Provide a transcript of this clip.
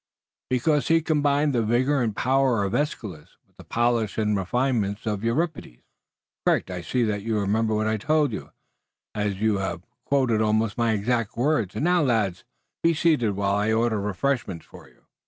"Because he combined the vigor and power of Aeschylus with the polish and refinement of Euripides." "Correct. I see that you remember what I told you, as you have quoted almost my exact words. And now, lads, be seated, while I order refreshments for you."